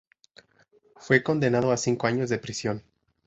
Fue condenado a cinco años de prisión.